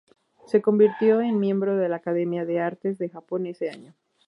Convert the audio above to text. Se convirtió en miembro de la Academia de Artes de Japón ese año.